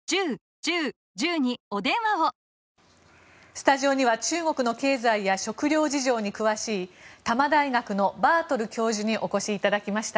スタジオには中国の経済や食料事情に詳しい多摩大学のバートル教授にお越しいただきました。